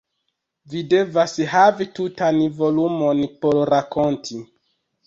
Vi devas havi tutan volumon por rakonti.